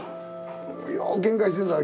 ようけんかしてたわ。